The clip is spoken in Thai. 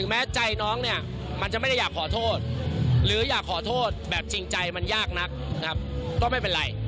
แบบจริงใจมันยากนักนะครับก็ไม่เป็นไร